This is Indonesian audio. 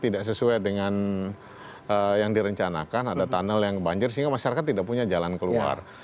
tidak sesuai dengan yang direncanakan ada tunnel yang banjir sehingga masyarakat tidak punya jalan keluar